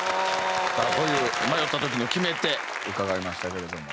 さあという迷った時の決め手伺いましたけれども。